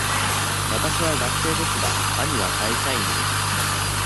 わたしは学生ですが、兄は会社員です。